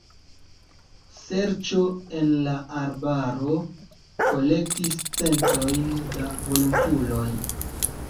Serĉo en la arbaro kolektis centojn da volontuloj.